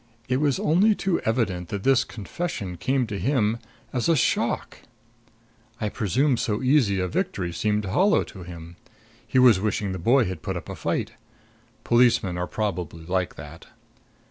It was only too evident that this confession came to him as a shock. I presume so easy a victory seemed hollow to him; he was wishing the boy had put up a fight. Policemen are probably like that.